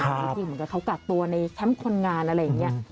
บางทีเหมือนกับเขากักตัวในแคมป์คนงานอะไรอย่างนี้